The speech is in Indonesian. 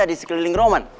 ada di sekeliling roman